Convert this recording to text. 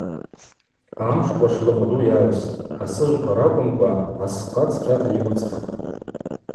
Амш къвышлыкъвду йагӏвстӏ, асыжвква ракӏвымкӏва асква цкьата йыквцӏхтӏ.